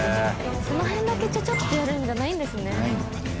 その辺だけちょちょっとやるんじゃないんですね。